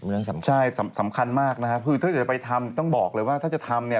เป็นเรื่องสำคัญมากนะครับคือถ้าจะไปทำต้องบอกเลยว่าถ้าจะทำ